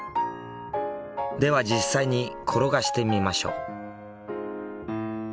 では実際に転がしてみましょう。